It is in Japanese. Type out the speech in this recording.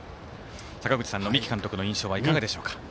坂口さんの三木監督の印象はどうでしょうか。